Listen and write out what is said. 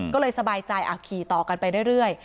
ก็เลยสบายใจขี่ต่อกันไปเรื่อย